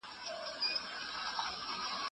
رحم کوونکي خلک د الله خوښیږي.